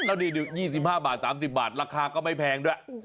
แล้วนี่๒๕บาท๓๐บาทราคาก็ไม่แพงด้วย